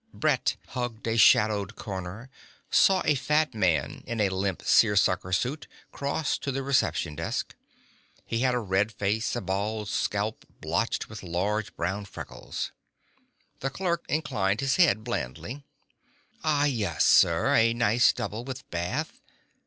Brett hugged a shadowed corner, saw a fat man in a limp seersucker suit cross to the reception desk. He had a red face, a bald scalp blotched with large brown freckles. The clerk inclined his head blandly. "Ah, yes, sir, a nice double with bath